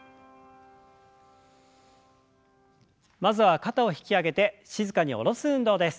まずは肩を引き上げて静かに下ろす運動です。